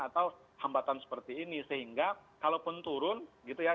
atau hambatan seperti ini sehingga kalaupun turun gitu ya